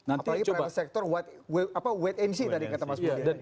apalagi pada sektor wet energy tadi kata mas bukhari